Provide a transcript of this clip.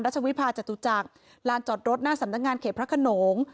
วิพาจตุจักรลานจอดรถหน้าสำนักงานเขตพระขนง